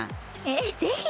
ええぜひ。